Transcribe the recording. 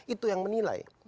itu yang menilai